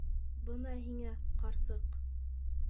«Бына һиңә... ҡарсыҡ!»